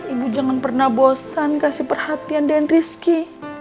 ibu jangan pernah bosan kasih perhatian den rizky